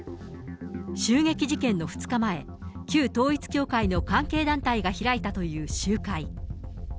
襲撃事件の２日前、旧統一教会の関係団体が開いたという集会。